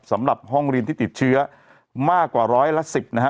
สำหรับห้องเรียนที่ติดเชื้อมากกว่าร้อยละ๑๐นะฮะ